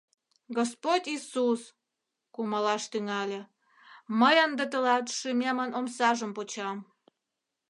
«Господь Иисус, — кумалаш тӱҥале, — мый ынде Тылат шӱмемын омсажым почам.